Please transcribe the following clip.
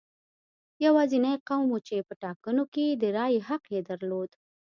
یوازینی قوم و چې په ټاکنو کې د رایې حق یې درلود.